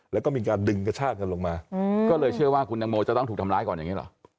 แล้วก็มีการดึงกระชากกันลงมาก็เลยเชื่อว่าคุณตังโมจะต้องถูกทำร้ายก่อนอย่างนี้หรอ